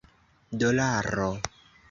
dolaro